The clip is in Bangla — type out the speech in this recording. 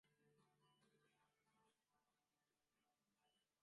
ললিতা কহিল, আমি কলকাতায় যাবার কথা বলছি।